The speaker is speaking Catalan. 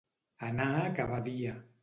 Anar a ca Badia.